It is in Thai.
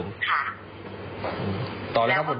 แล้วก็วางไว้ใส่เปรียบ